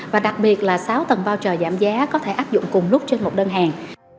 và đặc biệt là sáu tầng voucher giảm giá có thể áp dụng cùng lúc trên một đơn hàng